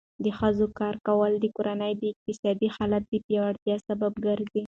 د ښځو کار کول د کورنۍ د اقتصادي حالت د پیاوړتیا سبب ګرځي.